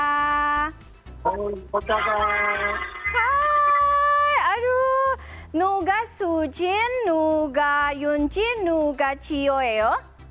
hai aduh nunggu sujin nunggu yunji nunggu cio yo yo